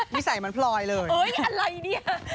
วิสัยมันพลอยเลยอะไรเนี่ย